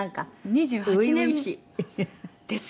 ２８年前ですね。